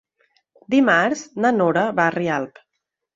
Dimarts na Nora va a Rialp.